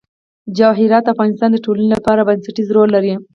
جواهرات د افغانستان د ټولنې لپاره بنسټيز رول لري.